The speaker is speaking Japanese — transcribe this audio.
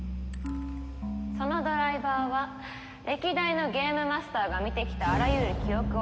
そのドライバーは歴代のゲームマスターが見てきたあらゆる記憶を宿す真実の目。